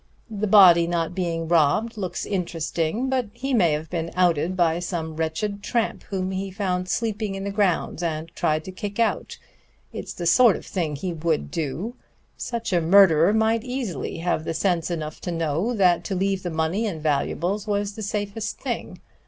The body not being robbed looks interesting, but he may have been outed by some wretched tramp whom he found sleeping in the grounds and tried to kick out. It's the sort of thing he would do. Such a murderer might easily have sense enough to know that to leave the money and valuables was the safest thing.